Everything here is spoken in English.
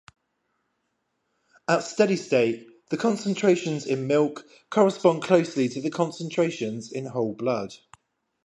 At steady-state, the concentrations in milk correspond closely to the concentrations in whole blood.